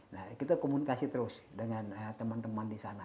nah kita komunikasi terus dengan teman teman di sana